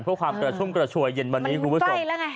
เพื่อความกระชุ่มกระชวยเย็นวันนี้คุณผู้ชม